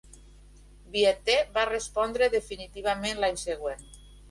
Viète va respondre definitivament l'any següent.